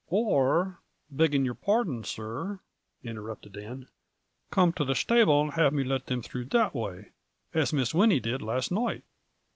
" Or, begging your pardon, sir," interrupted Dan," come to the shtable and have me let them through that way, as Miss Winnie did last night."